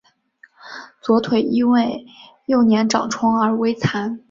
左腿因为幼年长疮而微残。